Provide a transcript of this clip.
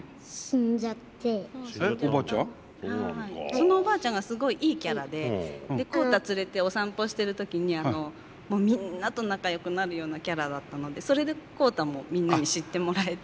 そのおばあちゃんがすごいいいキャラでコウタ連れてお散歩してる時にもうみんなと仲よくなるようなキャラだったのでそれでコウタもみんなに知ってもらえて。